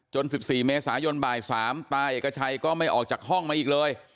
๑๔เมษายนบ่าย๓ตาเอกชัยก็ไม่ออกจากห้องมาอีกเลย